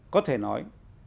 có thể nói